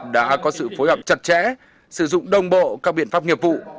đã có sự phối hợp chặt chẽ sử dụng đồng bộ các biện pháp nghiệp vụ